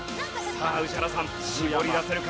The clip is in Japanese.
さあ宇治原さん絞り出せるか？